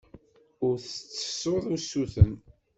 Ur d-tettessuḍ usuten.